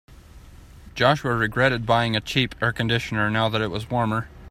Joshua regretted buying a cheap air conditioner now that it was warmer.